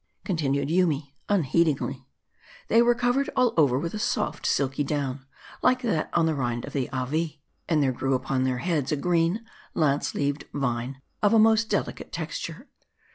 Continued Yoomy, unheedingly, " They were covered all over with a soft, silky down, like that on the rind of the Avee ; and there grew upon their heads a green, lance leaved vine, of a most delicate texture.